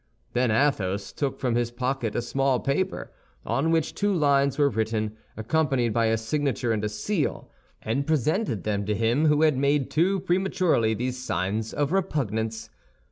Then Athos took from his pocket a small paper, on which two lines were written, accompanied by a signature and a seal, and presented them to him who had made too prematurely these signs of repugnance.